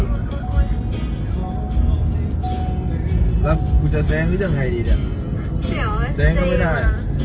แล้วกูจะแซงกันยังไงดีดิแซงก็ไม่ได้